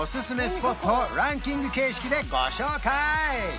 スポットをランキング形式でご紹介！